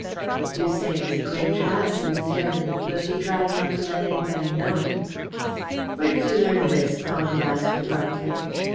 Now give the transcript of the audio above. They do say it was a great trial to Miss Heredith, though she tried not to let anybody know it." "Where did you learn this?" Caldew asked abruptly.